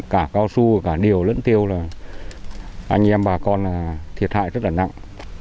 cả cao su cả điều lẫn tiêu là anh em bà con là thiệt hại rất là nặng